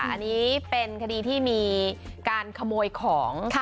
อันนี้เป็นคดีที่มีการขโมยของ